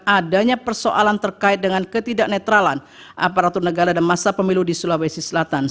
adanya persoalan terkait dengan ketidak netralan aparatur negara dan masa pemilu di sulawesi selatan